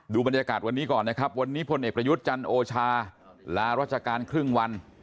บรรยากาศวันนี้ก่อนนะครับวันนี้พลเอกประยุทธ์จันทร์โอชาลารัชการครึ่งวัน